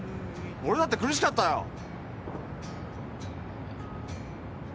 「俺だって苦しかったよ」